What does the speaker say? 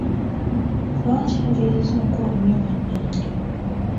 Lwaki enviiri zo nkulu nnyo bannange?